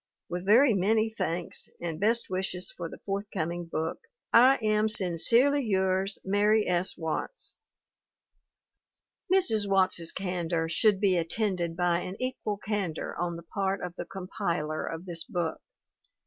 With very many thanks, and best wishes for the forthcoming book, I am "Sincerely yours, "MARY S. WATTS." MARY S. WATTS 187 Mrs. Watts's candor should be attended by an equal candor on the part of the compiler of this book.